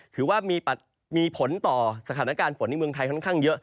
ถือว่ามีผลต่อสถานการณ์ฝนในเมืองไทยค่อนข้างเยอะ